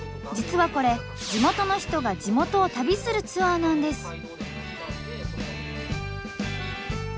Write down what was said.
実はこれ地元の人が地元を旅するツアーなんです。